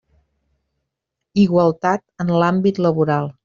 Igualtat en l'àmbit laboral.